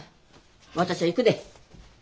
私が行くで。